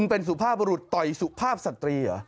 เป็นสุภาพบรุษต่อยสุภาพสตรีเหรอ